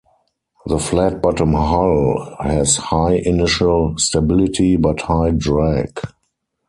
The flat bottom hull has high initial stability but high drag.